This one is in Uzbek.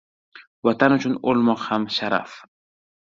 Vatan uchun o'lmoq ham sharaf.